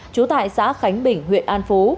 trú tại xã khánh bình huyện an phú